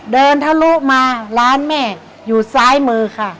ทะลุมาร้านแม่อยู่ซ้ายมือค่ะ